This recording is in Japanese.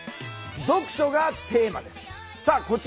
読書がテーマです。